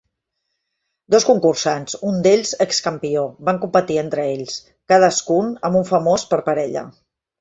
Dos concursants, un d'ells excampió, van competir entre ells, cadascun amb un famós per parella.